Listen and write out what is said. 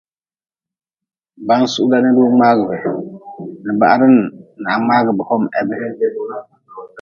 Ba-n suhda nid-wu mngaagʼbe libahre-n ha hom mngaagʼbe hebe.